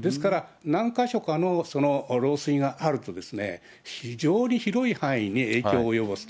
ですから、何か所かの漏水があると、非常に広い範囲に影響を及ぼすと。